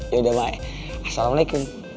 yaudah ma assalamualaikum